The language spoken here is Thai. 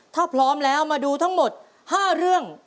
ถ้าพร้อมแล้วมาดูทั้งหมด๕เรื่อง